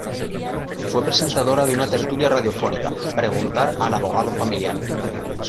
Fue presentadora de una tertulia radiofónica, ""Preguntar al Abogado Familiar"".